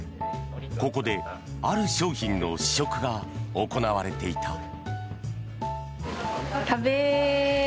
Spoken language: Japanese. ここである商品の試食が行われていた。